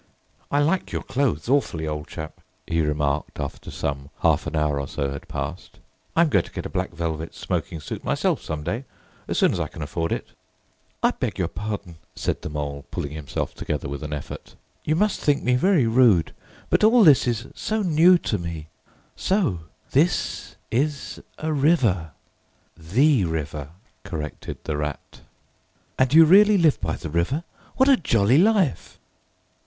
"I like your clothes awfully, old chap," he remarked after some half an hour or so had passed. "I'm going to get a black velvet smoking suit myself some day, as soon as I can afford it." "I beg your pardon," said the Mole, pulling himself together with an effort. "You must think me very rude; but all this is so new to me. So—this—is—a—River!" "The River," corrected the Rat. "And you really live by the river? What a jolly life!"